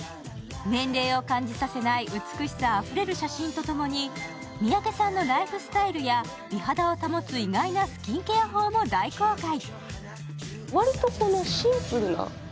年齢を感じさせない美しさあふれる写真とともに、三宅さんのライフスタイルや美肌を保つ意外なスキンケア法も大公開。